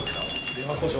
電話交渉